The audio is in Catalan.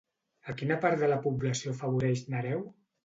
A quina part de la població afavoreix Nereu?